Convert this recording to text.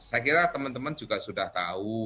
saya kira teman teman juga sudah tahu